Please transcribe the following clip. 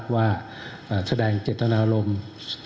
ว่าแสดงเจตนารมณ์